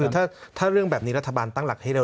คือถ้าเรื่องแบบนี้รัฐบาลตั้งหลักให้เร็